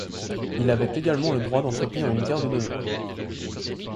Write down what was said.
Il avait également le droit d'entretenir une garde d'honneur.